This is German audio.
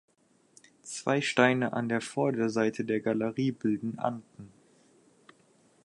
Zwei Steine an der Vorderseite der Galerie bilden Anten.